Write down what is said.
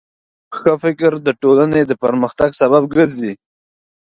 ښه فکر د ټولنې د پرمختګ سبب ګرځي.